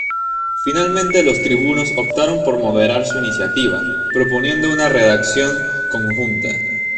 Finalmente los tribunos optaron por moderar su iniciativa, proponiendo una redacción conjunta.